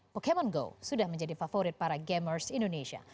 pokemon go sudah menjadi favorit para gamers indonesia